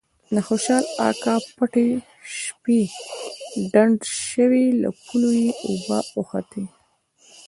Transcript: د خوشال اکا پټی شپې ډنډ شوی له پولو یې اوبه اوختي.